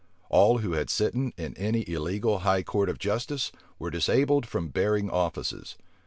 All who had sitten in any illegal high court of justice were disabled from bearing offices.